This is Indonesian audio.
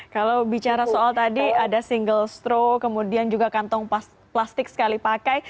kalau bicara soal tadi ada single stroke kemudian juga kantong plastik sekali pakai